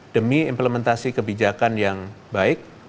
demi implementasi kebijakan yang baik